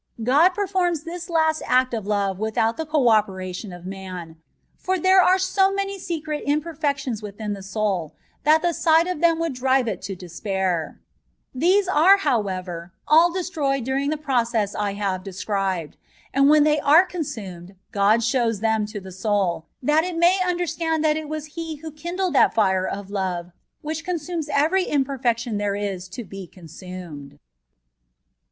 God performs this last act of love without the co operation of man ; for there are so many secret imperfections within the soul, that the sight of them WGold drive it to despair; These are, however, ali 16 A TREATISE ON PUBGATOBY. \ destroyed during the process I have described ; and when they are consumed, God shows them to the soul, that it may understand that it was He who *^ kindled that fire of love which consumes every im perfection there is to be consumed.